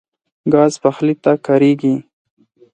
ګاز پخلي ته کارېږي.